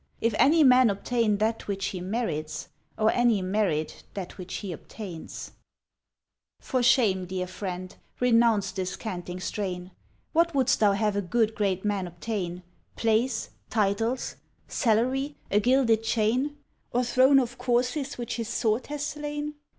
If any man obtain that which he merits, Or any merit that which he obtains. For shame, dear Friend; renounce this canting strain! What wouldst thou have a good great man obtain? Place titles salary a gilded chain Or throne of corses which his sword has slain?